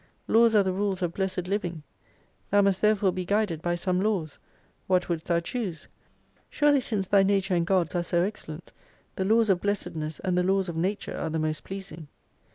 Laws are the rules of blessed living. Thou must therefore be guided by some laws. What wouldst thou choose ? Surely since thy nature and God's are so excellent, the Laws of Blessedness, and the Laws of Nature are the most pleasing.